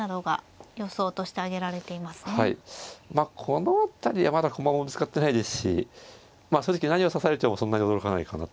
この辺りはまだ駒もぶつかってないですし正直何を指されてもそんなに驚かないかな。